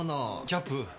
キャップ。